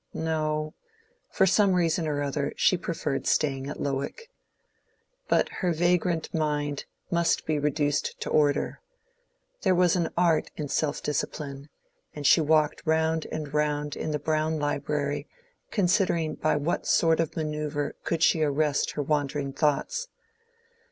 No; for some reason or other she preferred staying at Lowick. But her vagrant mind must be reduced to order: there was an art in self discipline; and she walked round and round the brown library considering by what sort of manoeuvre she could arrest her wandering thoughts.